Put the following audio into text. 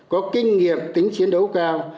có kinh nghiệm tính chiến đấu cao